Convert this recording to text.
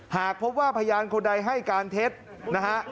หากพบว่าพยานคนใดให้การเท็จนะฮะ